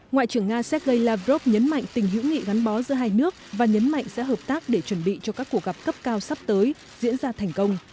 ngoại trưởng nga sergei lavrov nhấn mạnh tình hữu nghị gắn bó giữa hai nước và nhấn mạnh sẽ hợp tác để chuẩn bị cho các cuộc gặp cấp cao sắp tới diễn ra thành công